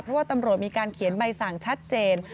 เพราะว่าตำรวจมีการเขียนใบสั่งชัดเจน